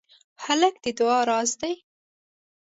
هلک د دعا راز دی.